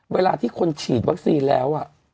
เวลาที่คนฉีดวัคซีนแล้ว